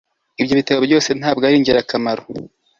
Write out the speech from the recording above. Ibyo bitabo byose ntabwo ari ingirakamaro